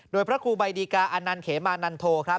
โดยพระครูใบดีกาอนันต์เขมานันโทครับ